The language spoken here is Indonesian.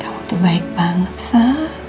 kamu tuh baik banget sa